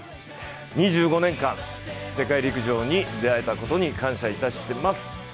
２５年間、世界陸上に出会えた事に感謝いたしてます。